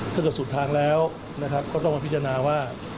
ถ้าเกิดสุดทางแล้วก็ต้องมาพิจารณาว่า